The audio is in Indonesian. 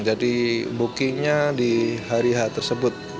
jadi bookingnya di hari h tersebut